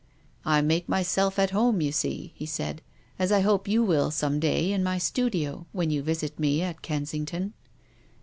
" I make myself at home, you see," he said, " as I hope you will some day in my studio, when you visit me at Kensington."